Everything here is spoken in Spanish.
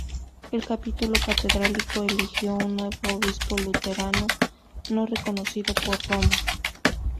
El capítulo catedralicio eligió un nuevo obispo luterano no reconocido por Roma.